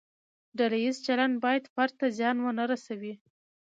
ډله ییز چلند باید فرد ته زیان ونه رسوي.